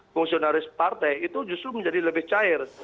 fungsionaris partai itu justru menjadi lebih cair